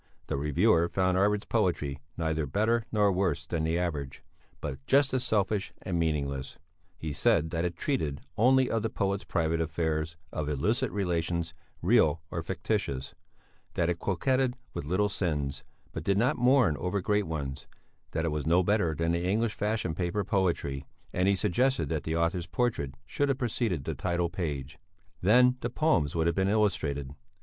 The reviewer found Arvid's poetry neither better nor worse than the average, but just as selfish and meaningless; he said that it treated only of the poet's private affairs, of illicit relations, real or fictitious; that it coquetted with little sins, but did not mourn over great ones; that it was no better than the English fashion paper poetry, and he suggested that the author's portrait should have preceded the title page; then the poems would have been illustrated.